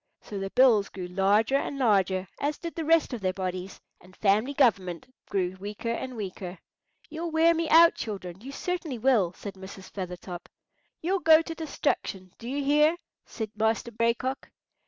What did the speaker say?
So their bills grew larger and larger, as did the rest of their bodies, and family government grew weaker and weaker. "You'll wear me out, children, you certainly will," said poor Mrs. Feathertop. "You'll go to destruction, do ye hear?" said Master Gray Cock.